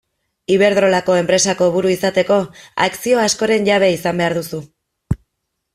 Iberdrolako enpresako buru izateko akzio askoren jabe izan behar duzu.